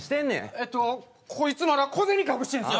えっとこいつまだ小銭隠してんすよ。